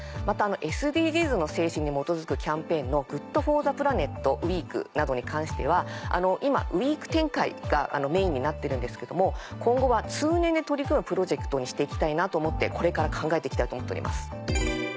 またＳＤＧｓの精神に基づくキャンペーンの「ＧｏｏｄＦｏｒｔｈｅＰｌａｎｅｔウィーク」などに関しては今ウィーク展開がメインになってるんですけども今後は通年で取り組むプロジェクトにして行きたいなと思ってこれから考えて行きたいと思っております。